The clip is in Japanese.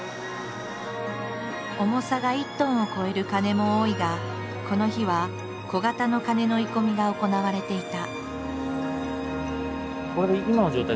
重さが１トンを超える鐘も多いがこの日は小型の鐘の鋳込みが行われていた。